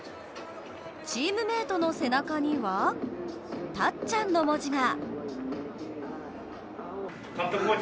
チームメートの背中には「たっちゃん」の文字が。